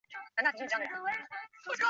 喜欢看色情书刊。